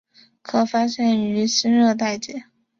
可发现于新热带界。